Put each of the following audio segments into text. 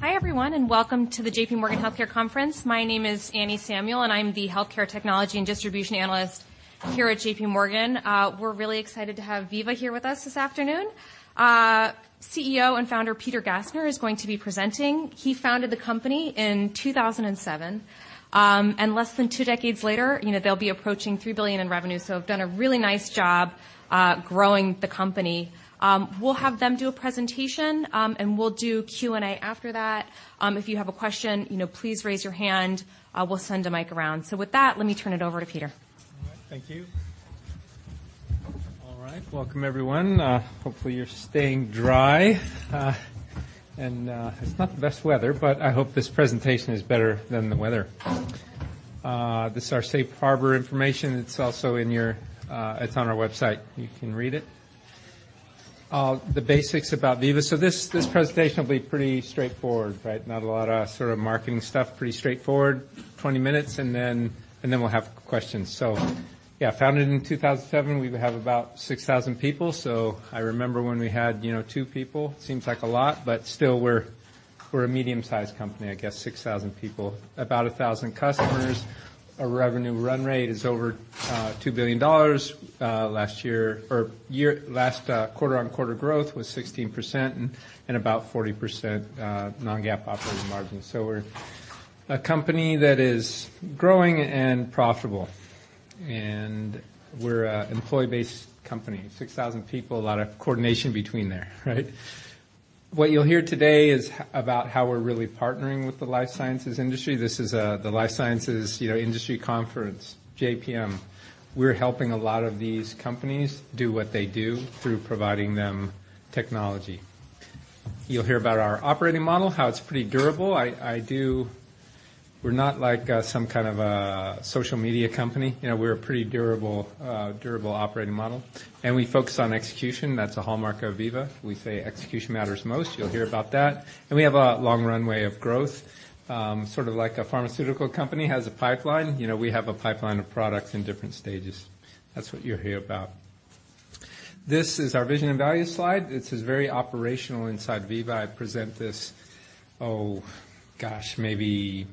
Hi, everyone, welcome to the JPMorgan Healthcare Conference. My name is Anne Samuel, and I'm the healthcare technology and distribution analyst here at JPMorgan. We're really excited to have Veeva here with us this afternoon. CEO and Founder Peter Gassner is going to be presenting. He founded the company in 2007. Less than two decades later, you know, they'll be approaching $3 billion in revenue, so have done a really nice job growing the company. We'll have them do a presentation, and we'll do Q&A after that. If you have a question, you know, please raise your hand. We'll send a mic around. With that, let me turn it over to Peter. All right. Thank you. Welcome, everyone. Hopefully you're staying dry. And it's not the best weather, but I hope this presentation is better than the weather. This is our safe harbor information. It's also in your-- It's on our website. You can read it. The basics about Veeva. This presentation will be pretty straightforward, right? Not a lot of sort of marketing stuff. Pretty straightforward. 20 minutes, and then we'll have questions. Yeah, founded in 2007. We have about 6,000 people. I remember when we had, you know, two people. Seems like a lot, but still we're a medium-sized company, I guess, 6,000 people. About 1,000 customers. Our revenue run rate is over $2 billion. Last year or last quarter-on-quarter growth was 16% and about 40% non-GAAP operating margin. We're a company that is growing and profitable. We're a employee-based company. 6,000 people, a lot of coordination between there, right? What you'll hear today is about how we're really partnering with the life sciences industry. This is the life sciences, you know, industry conference, JPM. We're helping a lot of these companies do what they do through providing them technology. You'll hear about our operating model, how it's pretty durable. We're not like some kind of a social media company. You know, we're a pretty durable operating model. We focus on execution. That's a hallmark of Veeva. We say execution matters most. You'll hear about that. We have a long runway of growth. Sort of like a pharmaceutical company has a pipeline. You know, we have a pipeline of products in different stages. That's what you'll hear about. This is our vision and values slide. This is very operational inside Veeva. I present this, oh gosh, maybe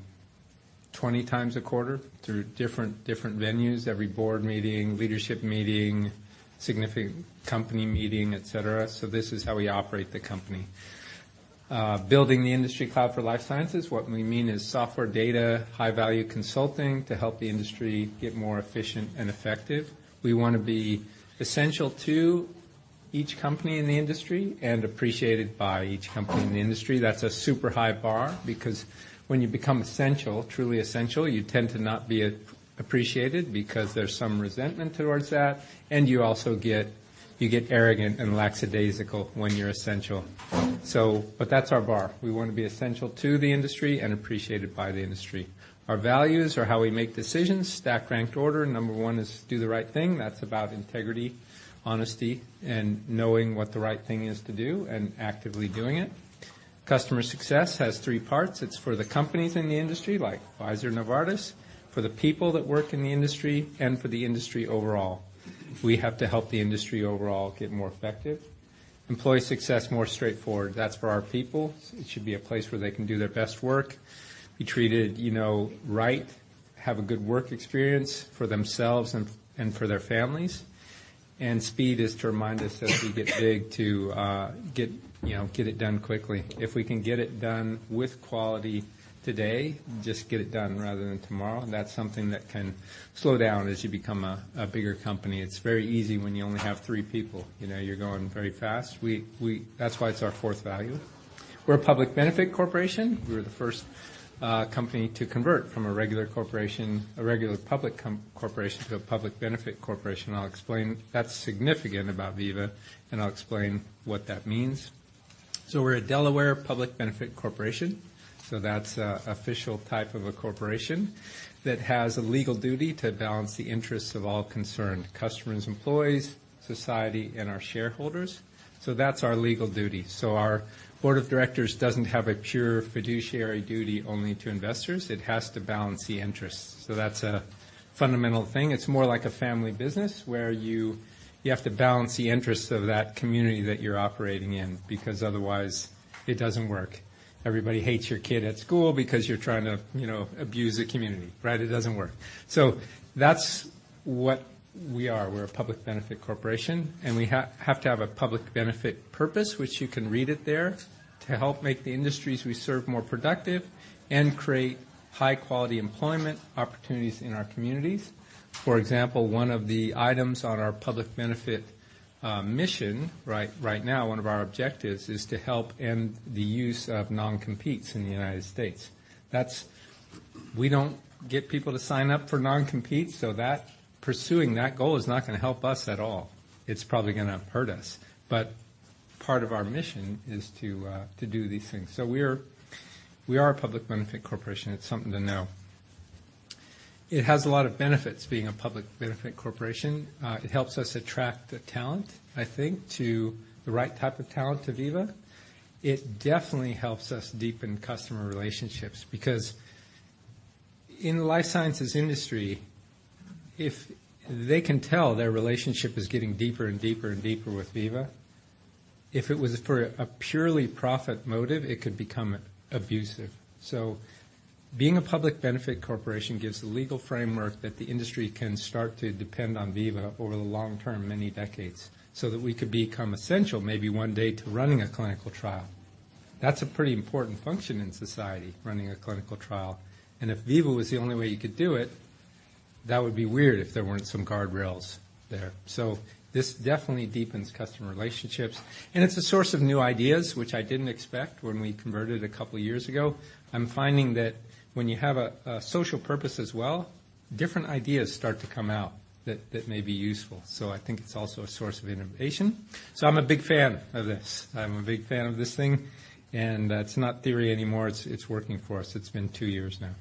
20 times a quarter through different venues, every board meeting, leadership meeting, significant company meeting, et cetera. This is how we operate the company. Building the industry cloud for life sciences. What we mean is software data, high-value consulting to help the industry get more efficient and effective. We wanna be essential to each company in the industry and appreciated by each company in the industry. That's a super high bar because when you become essential, truly essential, you tend to not be appreciated because there's some resentment towards that. You also get arrogant and lackadaisical when you're essential. But that's our bar. We wanna be essential to the industry and appreciated by the industry. Our values are how we make decisions. Stack ranked order. Number one is do the right thing. That's about integrity, honesty, and knowing what the right thing is to do and actively doing it. Customer Success has three parts. It's for the companies in the industry like Pfizer, Novartis, for the people that work in the industry and for the industry overall. We have to help the industry overall get more effective. Employee Success, more straightforward. That's for our people. It should be a place where they can do their best work, be treated, you know, right, have a good work experience for themselves and for their families. Speed is to remind us as we get big to get, you know, get it done quickly. If we can get it done with quality today, just get it done rather than tomorrow. That's something that can slow down as you become a bigger company. It's very easy when you only have three people. You know, you're going very fast. We That's why it's our fourth value. We're a public benefit corporation. We were the first company to convert from a regular corporation, a regular public corporation to a public benefit corporation. I'll explain. That's significant about Veeva, and I'll explain what that means. We're a Delaware public benefit corporation. That's a official type of a corporation that has a legal duty to balance the interests of all concerned, customers, employees, society, and our shareholders. That's our legal duty. Our Board of Directors doesn't have a pure fiduciary duty only to investors. It has to balance the interests. That's a fundamental thing. It's more like a family business where you have to balance the interests of that community that you're operating in, because otherwise it doesn't work. Everybody hates your kid at school because you're trying to, you know, abuse the community, right? It doesn't work. That's what we are. We're a public benefit corporation, we have to have a public benefit purpose, which you can read it there, to help make the industries we serve more productive and create high-quality employment opportunities in our communities. For example, one of the items on our public benefit mission right now, one of our objectives is to help end the use of non-competes in the United States. We don't get people to sign up for non-compete, pursuing that goal is not gonna help us at all. It's probably gonna hurt us. Part of our mission is to do these things. We are a public benefit corporation. It's something to know. It has a lot of benefits being a public benefit corporation. It helps us attract the talent, I think, to the right type of talent to Veeva. It definitely helps us deepen customer relationships. In the life sciences industry, if they can tell their relationship is getting deeper and deeper and deeper with Veeva, if it was for a purely profit motive, it could become abusive. Being a public benefit corporation gives the legal framework that the industry can start to depend on Veeva over the long term, many decades, so that we could become essential maybe one day to running a clinical trial. That's a pretty important function in society, running a clinical trial. If Veeva was the only way you could do it, that would be weird if there weren't some guardrails there. This definitely deepens customer relationships, and it's a source of new ideas, which I didn't expect when we converted two years ago. I'm finding that when you have a social purpose as well, different ideas start to come out that may be useful. I think it's also a source of innovation. I'm a big fan of this. I'm a big fan of this thing, and that's not theory anymore, it's working for us. It's been two years now.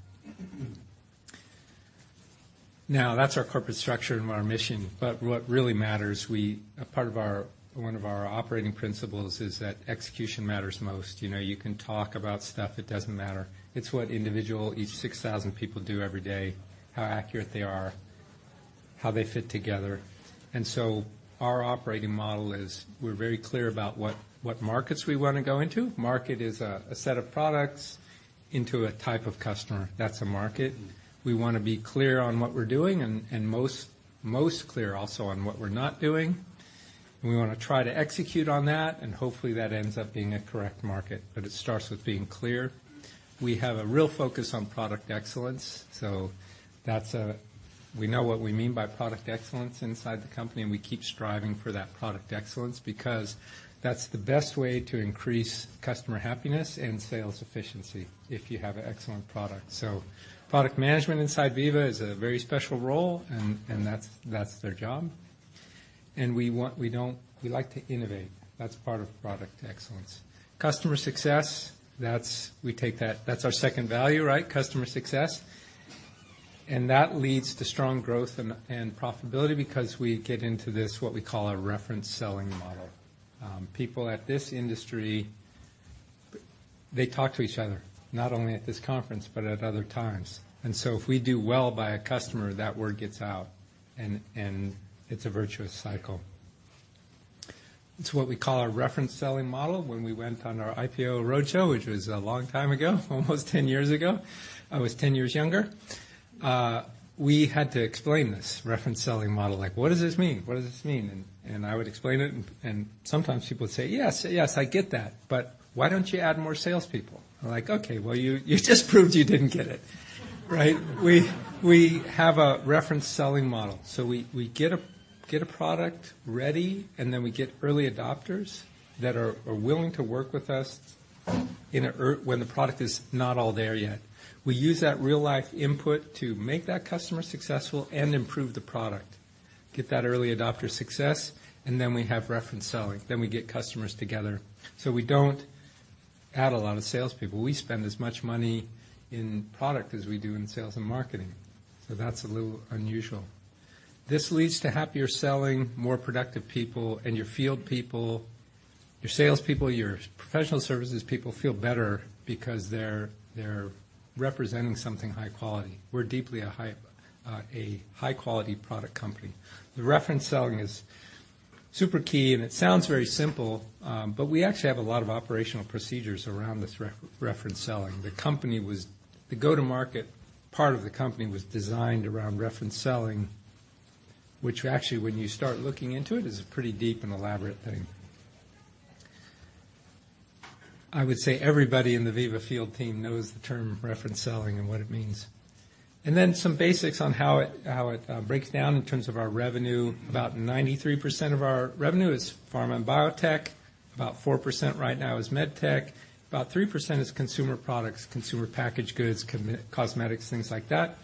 Now that's our corporate structure and our mission. What really matters, a part of our one of our operating principles is that execution matters most. You know, you can talk about stuff, it doesn't matter. It's what individual, each 6,000 people do every day, how accurate they are, how they fit together. Our operating model is we're very clear about what markets we wanna go into. Market is a set of products into a type of customer. That's a market. We wanna be clear on what we're doing and most clear also on what we're not doing. We wanna try to execute on that, and hopefully that ends up being a correct market. It starts with being clear. We have a real focus on product excellence, so that's, we know what we mean by product excellence inside the company, and we keep striving for that product excellence because that's the best way to increase customer happiness and sales efficiency if you have an excellent product. Product management inside Veeva is a very special role, and that's their job. We like to innovate. That's part of product excellence. Customer success, we take that. That's our second value, right? Customer success. That leads to strong growth and profitability because we get into this, what we call a reference selling model. People at this industry, they talk to each other, not only at this conference, but at other times. If we do well by a customer, that word gets out and it's a virtuous cycle. It's what we call our reference selling model. When we went on our IPO roadshow, which was a long time ago, almost 10 years ago, I was 10 years younger, we had to explain this reference selling model. Like, what does this mean? What does this mean? I would explain it, and sometimes people would say, "Yes. Yes, I get that, but why don't you add more salespeople?" I'm like, "Okay. Well, you just proved you didn't get it." Right? We have a reference selling model. We get a product ready, and then we get early adopters that are willing to work with us when the product is not all there yet. We use that real-life input to make that customer successful and improve the product, get that early adopter success, and then we have reference selling, then we get customers together. We don't add a lot of salespeople. We spend as much money in product as we do in sales and marketing. That's a little unusual. This leads to happier selling, more productive people, and your field people, your salespeople, your professional services people feel better because they're representing something high quality. We're deeply a high-quality product company. The reference selling is super key. It sounds very simple, but we actually have a lot of operational procedures around this reference selling. The go-to-market part of the company was designed around reference selling, which actually, when you start looking into it, is a pretty deep and elaborate thing. I would say everybody in the Veeva field team knows the term reference selling and what it means. Then some basics on how it breaks down in terms of our revenue. About 93% of our revenue is pharma and biotech. About 4% right now is med tech. About 3% is consumer products, consumer packaged goods, cosmetics, things like that.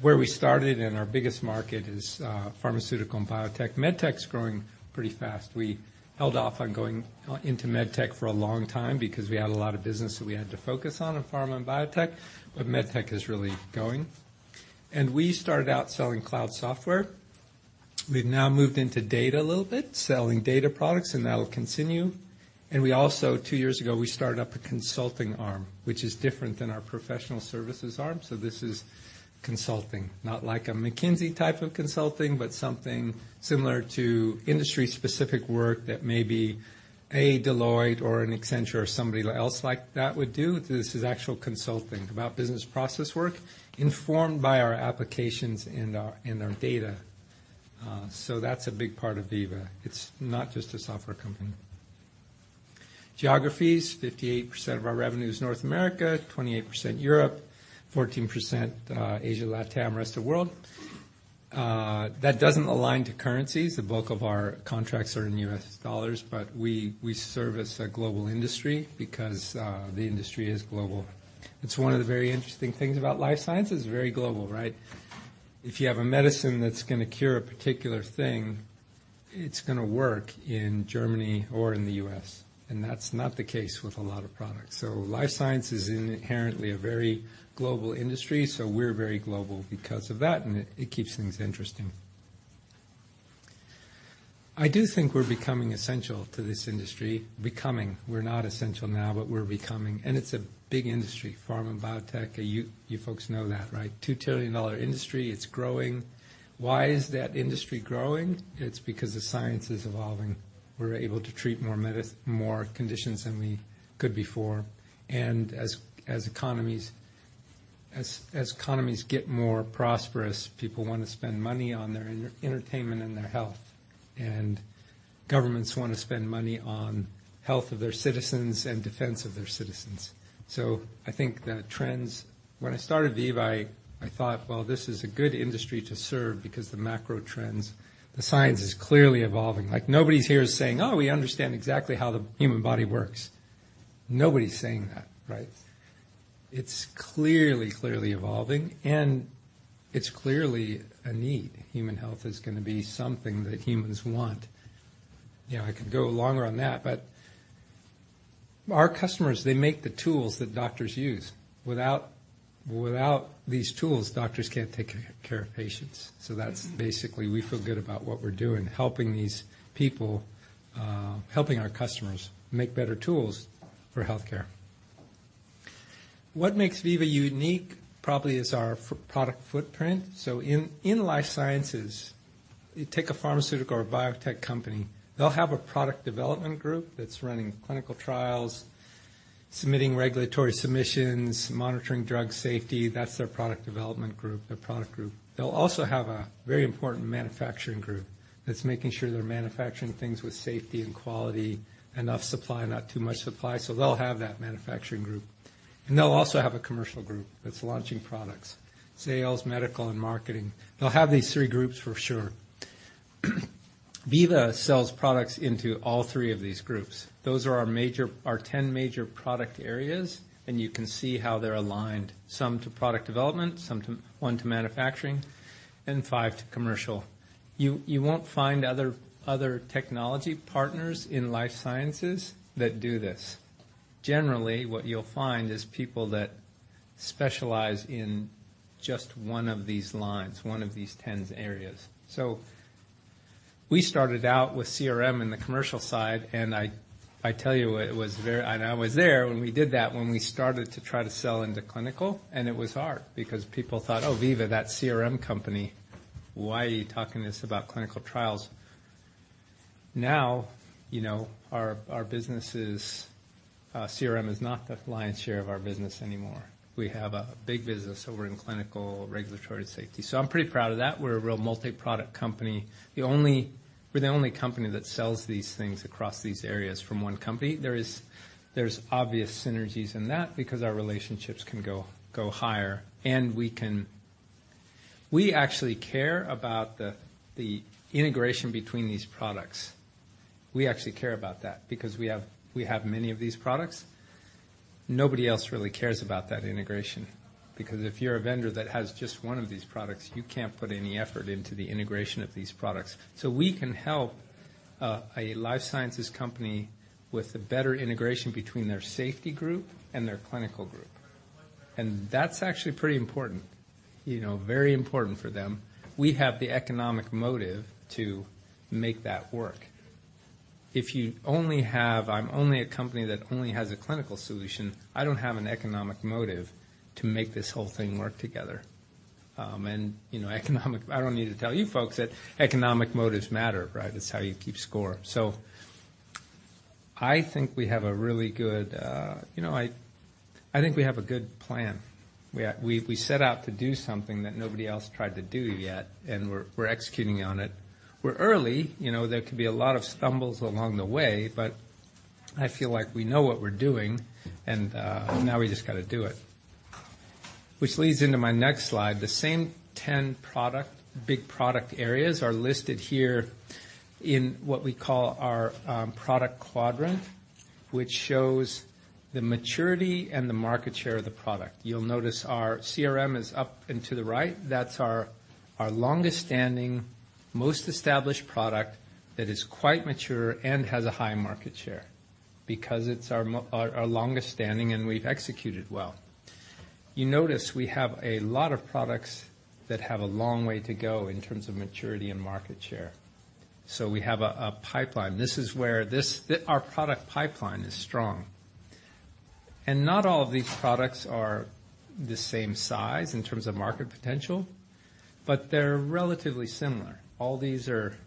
Where we started and our biggest market is pharmaceutical and biotech. MedTech's growing pretty fast. We held off on going into MedTech for a long time because we had a lot of business that we had to focus on in pharma and biotech, but MedTech is really going. We started out selling cloud software. We've now moved into data a little bit, selling data products, and that'll continue. We also, two years ago, we started up a consulting arm, which is different than our professional services arm. This is consulting, not like a McKinsey type of consulting, but something similar to industry-specific work that maybe a Deloitte or an Accenture or somebody else like that would do. This is actual consulting about business process work informed by our applications and our data. That's a big part of Veeva. It's not just a software company. Geographies, 58% of our revenue is North America, 28% Europe, 14% Asia, LatAm, rest of world. That doesn't align to currencies. The bulk of our contracts are in U.S. dollars, we service a global industry because the industry is global. It's one of the very interesting things about life science. It's very global, right? If you have a medicine that's gonna cure a particular thing, it's gonna work in Germany or in the U.S., that's not the case with a lot of products. Life science is inherently a very global industry, so we're very global because of that, and it keeps things interesting. I do think we're becoming essential to this industry. Becoming. We're not essential now, but we're becoming. It's a big industry, pharma and biotech. You folks know that, right? $2 trillion industry, it's growing. Why is that industry growing? It's because the science is evolving. We're able to treat more conditions than we could before. As economies get more prosperous, people wanna spend money on their entertainment and their health. Governments wanna spend money on health of their citizens and defense of their citizens. I think when I started Veeva, I thought, "Well, this is a good industry to serve because the macro trends, the science is clearly evolving." Like, nobody's here saying, "Oh, we understand exactly how the human body works." Nobody's saying that, right? It's clearly evolving, and it's clearly a need. Human health is gonna be something that humans want. You know, I could go longer on that, but our customers, they make the tools that doctors use. Without these tools, doctors can't take care of patients. That's basically we feel good about what we're doing, helping these people, helping our customers make better tools for healthcare. What makes Veeva unique probably is our product footprint. In life sciences, you take a pharmaceutical or biotech company, they'll have a product development group that's running clinical trials, submitting regulatory submissions, monitoring drug safety. That's their product development group, their product group. They'll also have a very important manufacturing group that's making sure they're manufacturing things with safety and quality, enough supply, not too much supply. They'll have that manufacturing group. They'll also have a commercial group that's launching products. Sales, medical, and marketing. They'll have these three groups for sure. Veeva sells products into all three of these groups. Those are our 10 major product areas, and you can see how they're aligned, some to product development, one to manufacturing, and five to commercial. You won't find other technology partners in life sciences that do this. Generally, what you'll find is people that specialize in just one of these lines, one of these 10s areas. We started out with CRM in the commercial side, I tell you, I was there when we did that, when we started to try to sell into clinical, it was hard because people thought, "Oh, Veeva, that CRM company. Why are you talking to us about clinical trials?" You know, our business is CRM is not the lion's share of our business anymore. We have a big business over in clinical regulatory safety. I'm pretty proud of that. We're a real multi-product company. We're the only company that sells these things across these areas from one company. There's obvious synergies in that because our relationships can go higher, we can... We actually care about the integration between these products. We actually care about that because we have many of these products. Nobody else really cares about that integration because if you're a vendor that has just one of these products, you can't put any effort into the integration of these products. We can help a life sciences company with a better integration between their safety group and their clinical group. That's actually pretty important, you know, very important for them. We have the economic motive to make that work. I'm only a company that only has a clinical solution, I don't have an economic motive to make this whole thing work together. You know, I don't need to tell you folks that economic motives matter, right? It's how you keep score. I think we have a really good, you know, I think we have a good plan. We set out to do something that nobody else tried to do yet, and we're executing on it. We're early, you know. There could be a lot of stumbles along the way, but I feel like we know what we're doing, and now we just gotta do it. Which leads into my next slide. The same 10 product, big product areas are listed here in what we call our product quadrant, which shows the maturity and the market share of the product. You'll notice our CRM is up and to the right. That's our longest standing, most established product that is quite mature and has a high market share because it's our longest standing, and we've executed well. You notice we have a lot of products that have a long way to go in terms of maturity and market share. We have a pipeline. Our product pipeline is strong. Not all of these products are the same size in terms of market potential, but they're relatively similar. You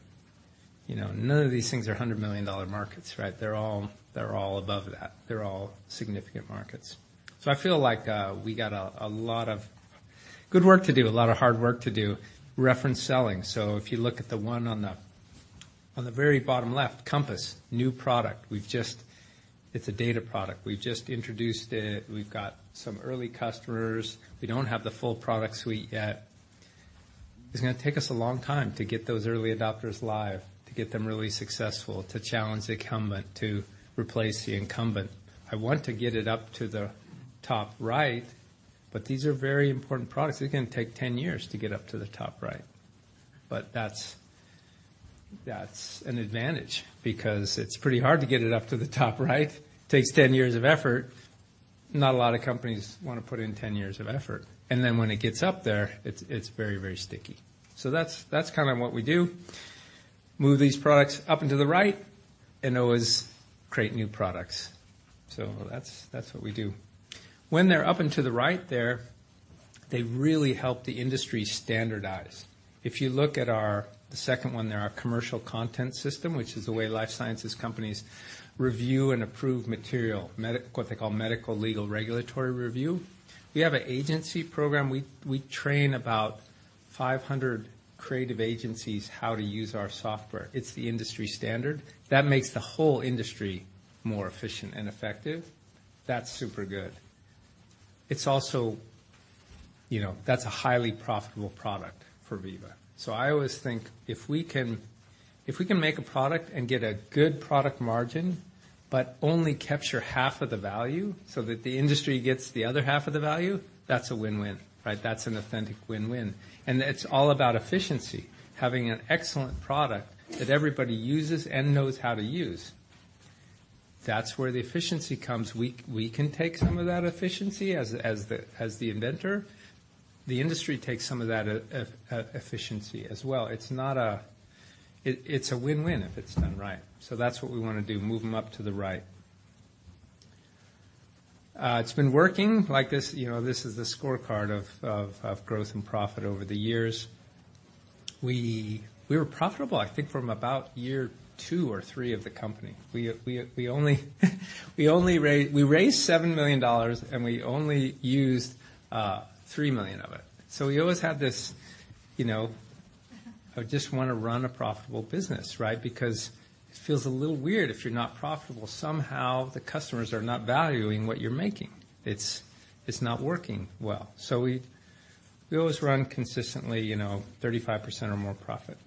know, none of these things are $100 million markets, right? They're all above that. They're all significant markets. I feel like we got a lot of good work to do, a lot of hard work to do, reference selling. If you look at the one on the very bottom left, Compass, new product. It's a data product. We've just introduced it. We've got some early customers. We don't have the full product suite yet. It's gonna take us a long time to get those early adopters live, to get them really successful, to challenge the incumbent, to replace the incumbent. I want to get it up to the top right. These are very important products. They're gonna take 10 years to get up to the top right. That's an advantage because it's pretty hard to get it up to the top right. Takes 10 years of effort. Not a lot of companies wanna put in 10 years of effort. Then when it gets up there, it's very, very sticky. That's kinda what we do. Move these products up into the right and always create new products. That's what we do. When they're up into the right there, they really help the industry standardize. If you look at our... The second one there, our Commercial Content system, which is the way life sciences companies review and approve material, what they call Medical Legal Regulatory review. We have a agency program. We train about 500 creative agencies how to use our software. It's the industry standard. That makes the whole industry more efficient and effective. That's super good. It's also, you know, that's a highly profitable product for Veeva. I always think if we can, if we can make a product and get a good product margin, but only capture half of the value so that the industry gets the other half of the value, that's a win-win, right? That's an authentic win-win. It's all about efficiency. Having an excellent product that everybody uses and knows how to use. That's where the efficiency comes. We can take some of that efficiency as the inventor. The industry takes some of that efficiency as well. It's a win-win if it's done right. That's what we wanna do, move them up to the right. It's been working like this, you know, this is the scorecard of growth and profit over the years. We were profitable, I think, from about year two or three of the company. We only raised $7 million, and we only used $3 million of it. We always had this, you know. Mm-hmm. I just wanna run a profitable business, right? It feels a little weird if you're not profitable. Somehow the customers are not valuing what you're making. It's not working well. We always run consistently, you know, 35% or more profit.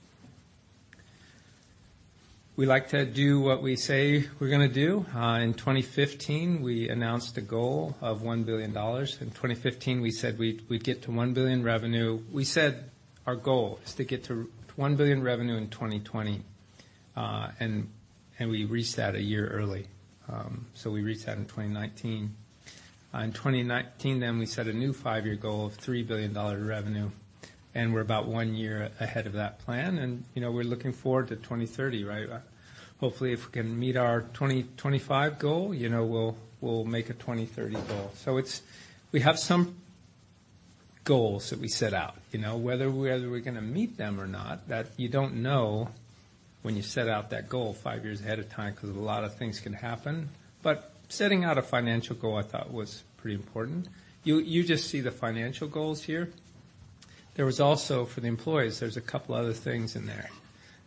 We like to do what we say we're gonna do. In 2015, we announced a goal of $1 billion. In 2015, we said we'd get to $1 billion revenue. We said our goal is to get to $1 billion revenue in 2020. We reached that a year early. We reached that in 2019. In 2019, we set a new five-year goal of $3 billion revenue, and we're about 1 year ahead of that plan. You know, we're looking forward to 2030, right? Hopefully, if we can meet our 2025 goal, you know, we'll make a 2030 goal. We have some goals that we set out, you know. Whether we're gonna meet them or not, that you don't know when you set out that goal five years ahead of time, 'cause a lot of things can happen. Setting out a financial goal, I thought was pretty important. You, you just see the financial goals here. There was also, for the employees, there's a couple other things in there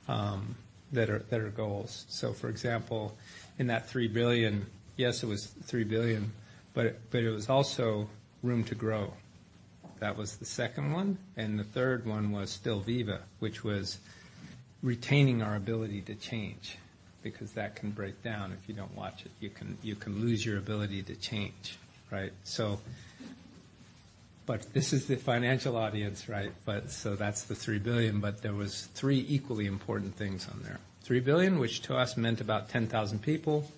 that are goals. For example, in that $3 billion, yes, it was $3 billion, but it was also room to grow. That was the second one, and the third one was still Veeva, which was retaining our ability to change because that can break down if you don't watch it. You can, you can lose your ability to change, right? But this is the financial audience, right? So that's the $3 billion, but there was three equally important things on there. $3 billion, which to us meant about 10,000 people.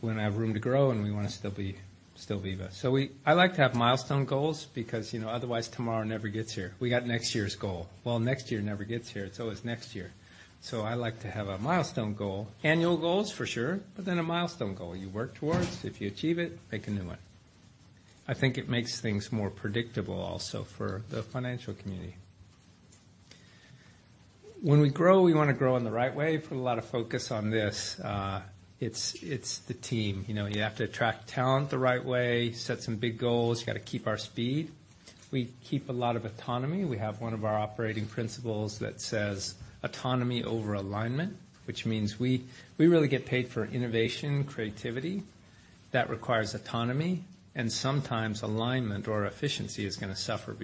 We're gonna have room to grow, and we wanna still be Veeva. I like to have milestone goals because, you know, otherwise tomorrow never gets here. We got next year's goal. Next year never gets here. It's always next year. I like to have a milestone goal. Annual goals, for sure, but then a milestone goal. You work towards, if you achieve it, pick a new one. I think it makes things more predictable also for the financial community. When we grow, we wanna grow in the right way. Put a lot of focus on this. It's, it's the team. You know, you have to attract talent the right way, set some big goals, you gotta keep our speed. We keep a lot of autonomy. We have one of our operating principles that says, "Autonomy over alignment," which means we really get paid for innovation, creativity. That requires autonomy, and sometimes alignment or efficiency is gonna suffer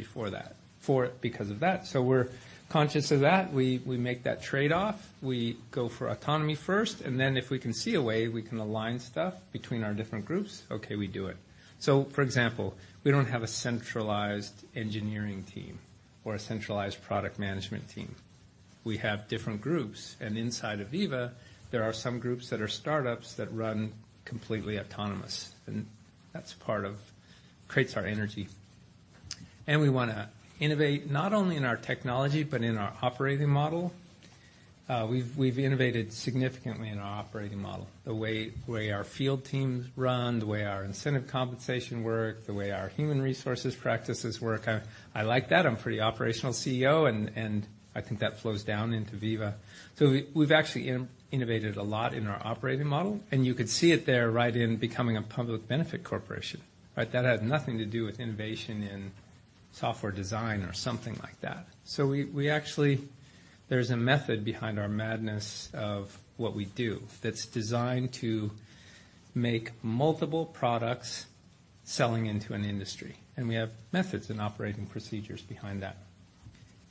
for it because of that. We're conscious of that. We make that trade-off. We go for autonomy first, and then if we can see a way we can align stuff between our different groups, okay, we do it. For example, we don't have a centralized engineering team or a centralized product management team. We have different groups, and inside of Veeva, there are some groups that are startups that run completely autonomous, and that's part of... creates our energy. We wanna innovate not only in our technology, but in our operating model. We've, we've innovated significantly in our operating model, the way our field teams run, the way our incentive compensation work, the way our human resources practices work. I like that. I'm pretty operational CEO, and I think that flows down into Veeva. We've actually innovated a lot in our operating model, and you could see it there right in becoming a public benefit corporation, right? That has nothing to do with innovation in software design or something like that. We, we actually. There's a method behind our madness of what we do that's designed to make multiple products selling into an industry, and we have methods and operating procedures behind that.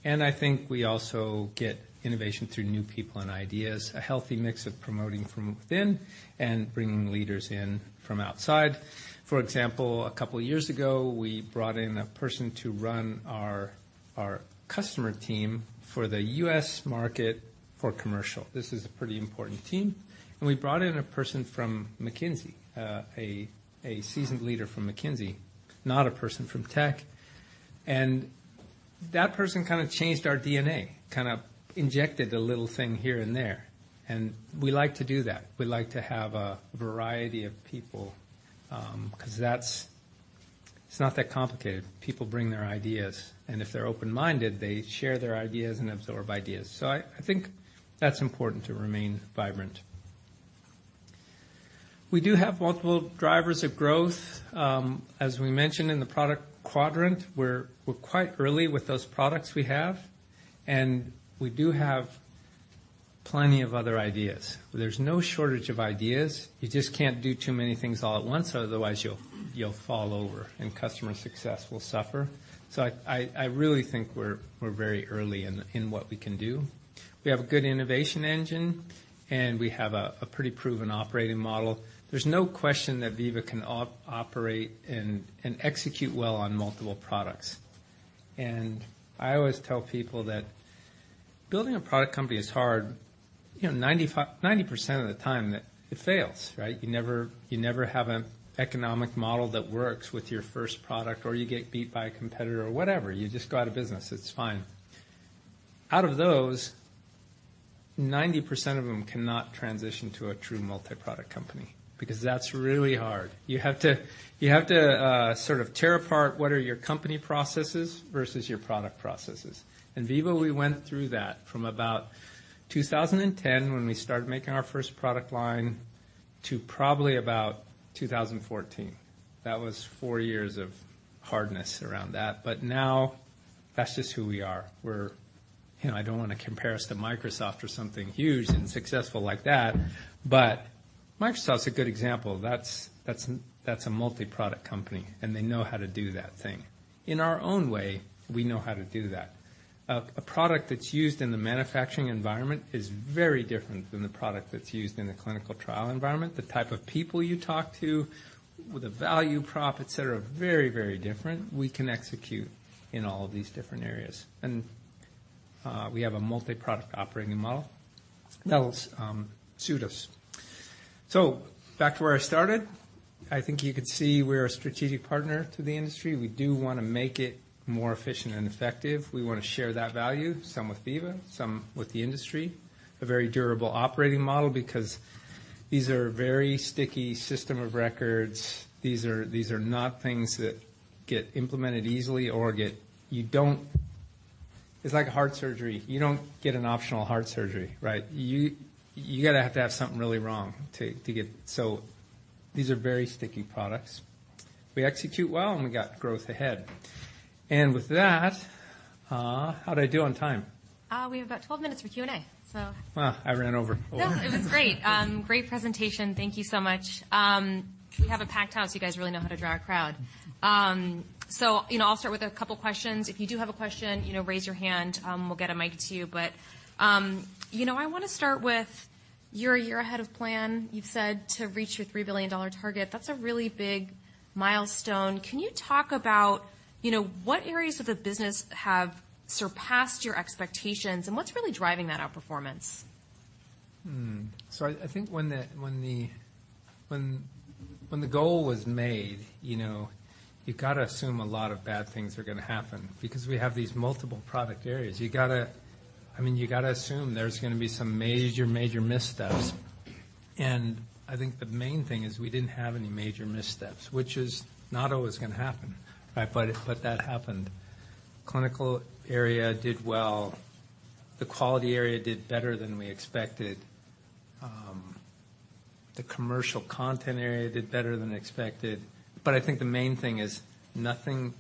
I think we also get innovation through new people and ideas, a healthy mix of promoting from within and bringing leaders in from outside. For example, a couple years ago, we brought in a person to run our customer team for the U.S. market for commercial. This is a pretty important team. We brought in a person from McKinsey, a seasoned leader from McKinsey, not a person from tech. That person kind of changed our DNA, kind of injected a little thing here and there. We like to do that. We like to have a variety of people, because it's not that complicated. People bring their ideas, and if they're open-minded, they share their ideas and absorb ideas. I think that's important to remain vibrant. We do have multiple drivers of growth. As we mentioned in the product quadrant, we're quite early with those products we have, and we do have plenty of other ideas. There's no shortage of ideas. You just can't do too many things all at once, otherwise you'll fall over and customer success will suffer. I really think we're very early in what we can do. We have a good innovation engine, and we have a pretty proven operating model. There's no question that Veeva can operate and execute well on multiple products. I always tell people that building a product company is hard. You know, 90% of the time it fails, right? You never have an economic model that works with your first product, or you get beat by a competitor or whatever. You just go out of business. It's fine. Out of those, 90% of them cannot transition to a true multi-product company, because that's really hard. You have to, sort of tear apart what are your company processes versus your product processes. In Veeva, we went through that from about 2010, when we started making our first product line, to probably about 2014. That was four years of hardness around that. Now that's just who we are. We're. You know, I don't wanna compare us to Microsoft or something huge and successful like that, Microsoft's a good example. That's a multi-product company, They know how to do that thing. In our own way, we know how to do that. A product that's used in the manufacturing environment is very different than the product that's used in the clinical trial environment. The type of people you talk to, the value prop, et cetera, are very, very different. We can execute in all of these different areas. We have a multi-product operating model that will suit us. Back to where I started. I think you could see we're a strategic partner to the industry. We do wanna make it more efficient and effective. We wanna share that value, some with Veeva, some with the industry. A very durable operating model, because these are a very sticky system of records. These are not things that get implemented easily or get. You don't. It's like a heart surgery. You don't get an optional heart surgery, right? You, you gotta have to have something really wrong to get. These are very sticky products. We execute well, and we got growth ahead. With that, how'd I do on time? We have about 12 minutes for Q&A, so. Wow. I ran over. No, it was great. Great presentation. Thank you so much. We have a packed house. You guys really know how to draw a crowd. You know, I'll start with a couple questions. If you do have a question, you know, raise your hand, we'll get a mic to you. You know, I wanna start with you're a year ahead of plan, you've said, to reach your $3 billion target. That's a really big milestone. Can you talk about, you know, what areas of the business have surpassed your expectations and what's really driving that outperformance? I think when the goal was made, you know, you've gotta assume a lot of bad things are gonna happen because we have these multiple product areas. I mean, you gotta assume there's gonna be some major missteps. I think the main thing is we didn't have any major missteps, which is not always gonna happen, right? That happened. Clinical area did well. The quality area did better than we expected. The Commercial Content area did better than expected. I think the main thing is nothing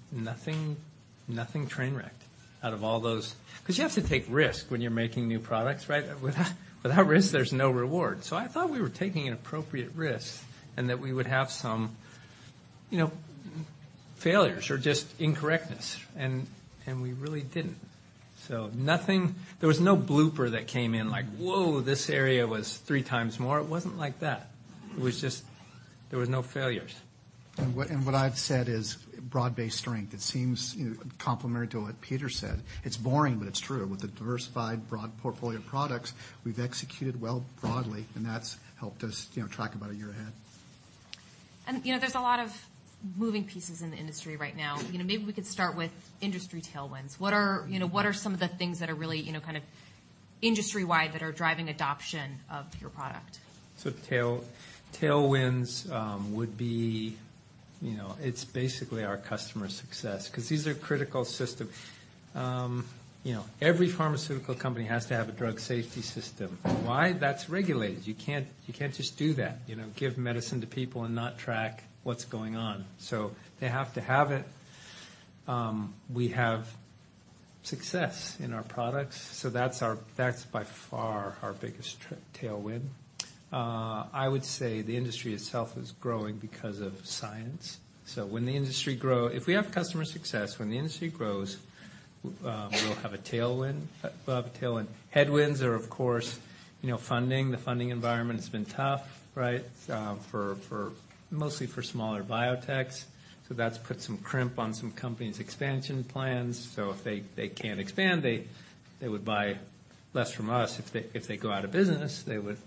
train wrecked out of all those. You have to take risk when you're making new products, right? Without risk, there's no reward. I thought we were taking an appropriate risk and that we would have some, you know, failures or just incorrectness, and we really didn't. Nothing. There was no blooper that came in like, "Whoa, this area was three times more." It wasn't like that. It was just there was no failures. What I've said is broad-based strength. It seems, you know, complementary to what Peter said. It's boring, but it's true. With a diversified broad portfolio of products, we've executed well broadly, and that's helped us, you know, track about a year ahead. You know, there's a lot of moving pieces in the industry right now. You know, maybe we could start with industry tailwinds. What are, you know, what are some of the things that are really, you know, kind of industry-wide that are driving adoption of your product? Tailwinds, you know, would be, it's basically our customer success, 'cause these are critical system. You know, every pharmaceutical company has to have a drug safety system. Why? That's regulated. You can't just do that, you know, give medicine to people and not track what's going on. They have to have it. We have success in our products, so that's by far our biggest tailwind. I would say the industry itself is growing because of science. When the industry If we have customer success, when the industry grows, we'll have a tailwind, we'll have a tailwind. Headwinds are, of course, you know, funding, the funding environment has been tough, right? For mostly for smaller biotechs. That's put some crimp on some companies' expansion plans. If they can't expand, they would buy less from us. If they go out of business, they would, you know,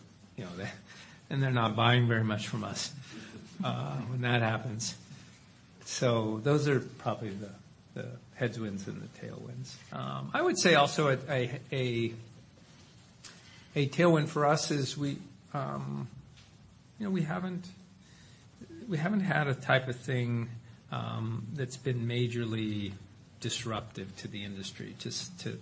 and they're not buying very much from us when that happens. Those are probably the headwinds and the tailwinds. I would say also a tailwind for us is we, you know, we haven't had a type of thing that's been majorly disruptive to the industry,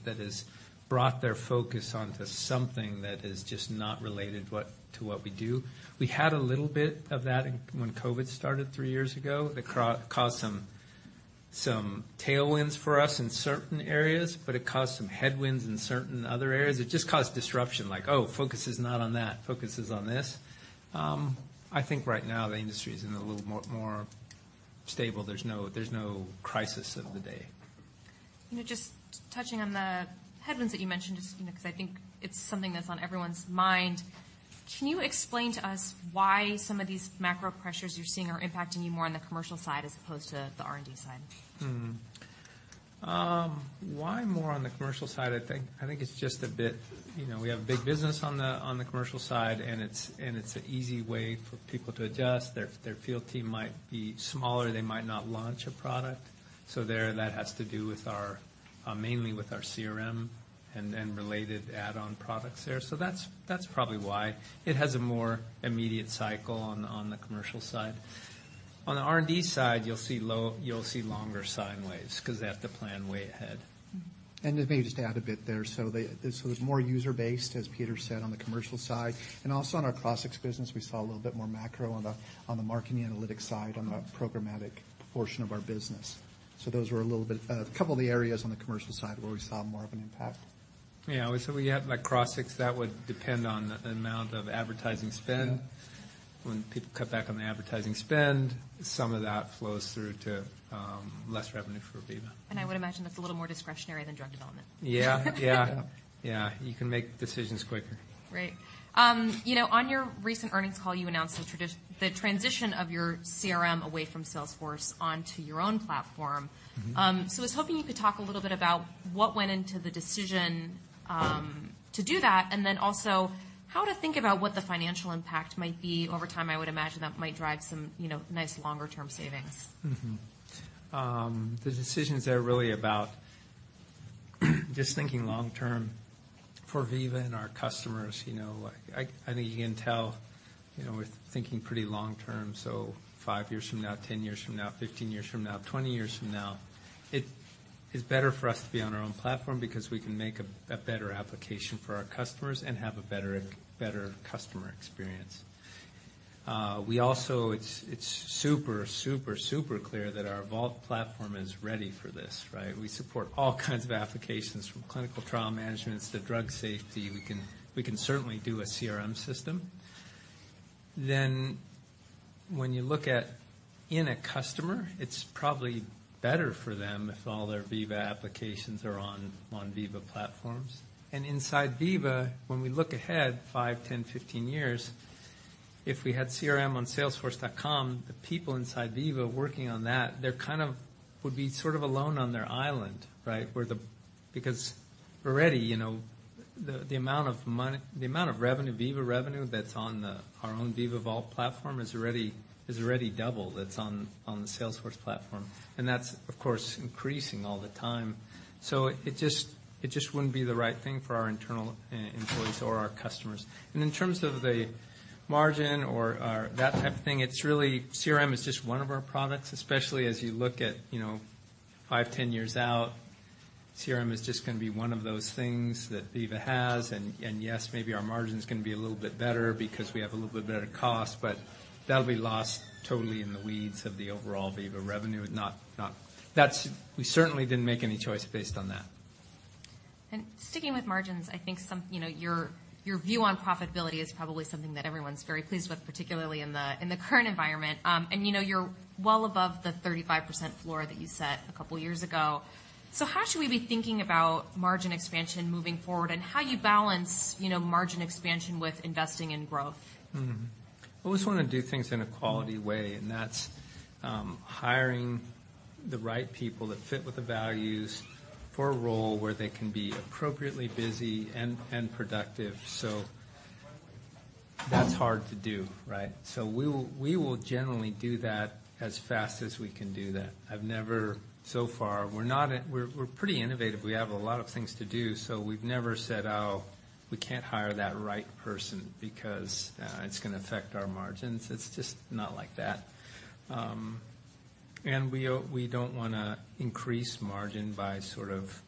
that has brought their focus onto something that is just not related to what we do. We had a little bit of that in... when COVID started three years ago. It caused some tailwinds for us in certain areas, but it caused some headwinds in certain other areas. It just caused disruption, like, "Oh, focus is not on that, focus is on this." I think right now the industry is in a little more stable. There's no, there's no crisis of the day. You know, just touching on the headwinds that you mentioned, just, you know, 'cause I think it's something that's on everyone's mind. Can you explain to us why some of these macro pressures you're seeing are impacting you more on the commercial side as opposed to the R&D side? Why more on the commercial side? I think it's just a bit. You know, we have big business on the commercial side, and it's an easy way for people to adjust. Their field team might be smaller. They might not launch a product. That has to do with our mainly with our CRM and then related add-on products there. That's probably why. It has a more immediate cycle on the commercial side. On the R&D side, you'll see longer sine waves 'cause they have to plan way ahead. Mm-hmm. Maybe just to add a bit there. It's more user-based, as Peter said, on the commercial side. On our Crossix business, we saw a little bit more macro on the marketing analytics side on the programmatic portion of our business. Those were a little bit, couple of the areas on the commercial side where we saw more of an impact. Yeah. We had like Crossix, that would depend on the amount of advertising spend. Yeah. When people cut back on the advertising spend, some of that flows through to, less revenue for Veeva. I would imagine that's a little more discretionary than drug development. Yeah. Yeah. Yeah. You can make decisions quicker. Great. you know, on your recent earnings call, you announced the transition of your CRM away from Salesforce onto your own platform. Mm-hmm. I was hoping you could talk a little bit about what went into the decision to do that, and then also how to think about what the financial impact might be over time. I would imagine that might drive some, you know, nice longer-term savings. The decisions there are really about just thinking long-term for Veeva and our customers. You know, like I think you can tell, you know, we're thinking pretty long term, so five years from now, 10 years from now, 15 years from now, 20 years from now, it is better for us to be on our own platform because we can make a better application for our customers and have a better customer experience. It's super, super clear that our Vault platform is ready for this, right? We support all kinds of applications from clinical trial management to drug safety. We can certainly do a CRM system. When you look at in a customer, it's probably better for them if all their Veeva applications are on Veeva platforms. Inside Veeva, when we look ahead five, 10, 15 years, if we had CRM on salesforce.com, the people inside Veeva working on that, they would be sort of alone on their island, right? Because already, you know, the amount of revenue, Veeva revenue that's on our own Veeva Vault platform is already double that's on the Salesforce platform. That's, of course, increasing all the time. It just wouldn't be the right thing for our internal employees or our customers. In terms of the margin or that type of thing, it's really. CRM is just one of our products, especially as you look at, you know, five, 10 years out, CRM is just gonna be one of those things that Veeva has. Yes, maybe our margin's gonna be a little bit better because we have a little bit better cost, but that'll be lost totally in the weeds of the overall Veeva revenue. Not... We certainly didn't make any choice based on that. Sticking with margins, I think some, you know, your view on profitability is probably something that everyone's very pleased with, particularly in the current environment. You know, you're well above the 35% floor that you set a couple years ago. How should we be thinking about margin expansion moving forward, and how you balance, you know, margin expansion with investing in growth? I always wanna do things in a quality way, and that's hiring the right people that fit with the values for a role where they can be appropriately busy and productive. That's hard to do, right? We will generally do that as fast as we can do that. So far, We're pretty innovative. We have a lot of things to do, we've never said, "Oh, we can't hire that right person because it's gonna affect our margins." It's just not like that. We don't wanna increase margin by sort of,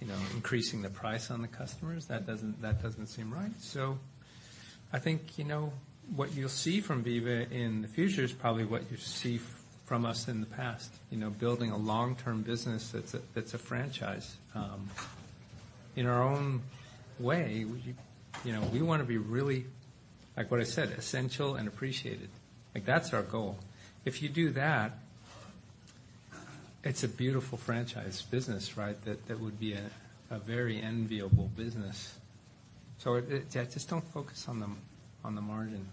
you know, increasing the price on the customers. That doesn't seem right. I think, you know, what you'll see from Veeva in the future is probably what you see from us in the past, you know, building a long-term business that's a franchise. In our own way, you know, we wanna be really, like what I said, essential and appreciated. Like, that's our goal. If you do It's a beautiful franchise business, right? That would be a very enviable business. it just don't focus on the margin.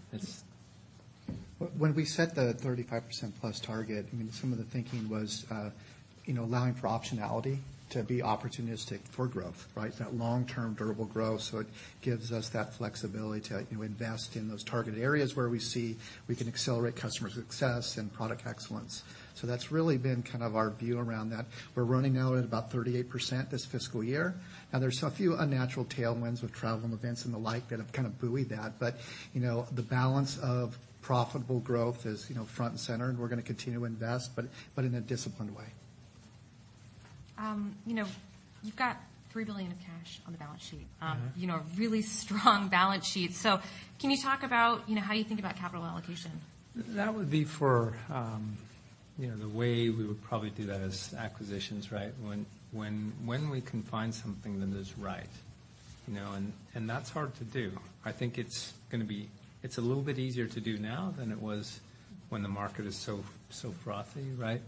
When we set the 35%+ target, I mean, some of the thinking was, you know, allowing for optionality to be opportunistic for growth, right? That long-term durable growth, it gives us that flexibility to, you know, invest in those target areas where we see we can accelerate customer success and product excellence. That's really been kind of our view around that. We're running now at about 38% this fiscal year. There's a few unnatural tailwinds with travel and events and the like that have kind of buoyed that. You know, the balance of profitable growth is, you know, front and center, and we're gonna continue to invest, but in a disciplined way. You know, you've got $3 billion of cash on the balance sheet. Mm-hmm. You know, a really strong balance sheet. Can you talk about, you know, how you think about capital allocation? That would be for, you know, the way we would probably do that is acquisitions, right? When we can find something that is right, you know, and that's hard to do. It's a little bit easier to do now than it was when the market is so frothy, right?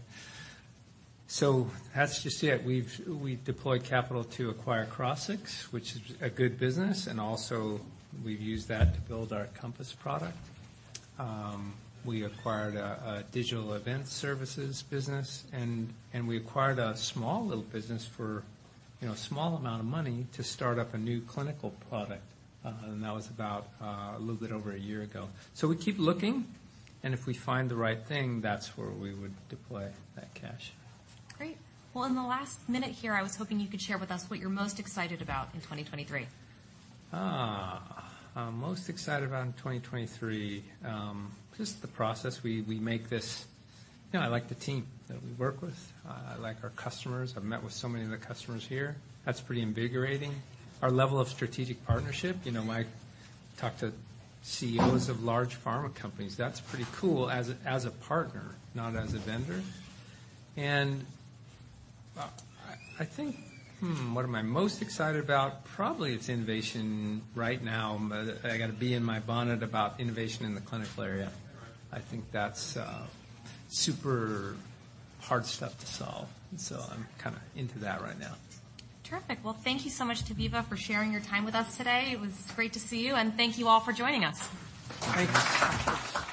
That's just it. We've deployed capital to acquire Crossix, which is a good business, and also we've used that to build our Compass product. We acquired a digital event services business, and we acquired a small little business for, you know, a small amount of money to start up a new clinical product, and that was about a little bit over a year ago. We keep looking, and if we find the right thing, that's where we would deploy that cash. Great. In the last minute here, I was hoping you could share with us what you're most excited about in 2023. I'm most excited about in 2023, just the process we make this. You know, I like the team that we work with. I like our customers. I've met with so many of the customers here. That's pretty invigorating. Our level of strategic partnership. You know, Mike talked to CEOs of large pharma companies. That's pretty cool as a partner, not as a vendor. I think, what am I most excited about? Probably it's innovation right now. I got a bee in my bonnet about innovation in the clinical area. I think that's super hard stuff to solve, and so I'm kinda into that right now. Terrific. Well, thank you so much to Veeva, for sharing your time with us today. It was great to see you, and thank you all for joining us. Thank you.